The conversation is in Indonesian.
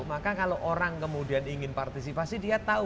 maka kalau orang kemudian ingin partisipasi dia tahu